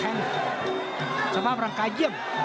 มันต้องอย่างงี้มันต้องอย่างงี้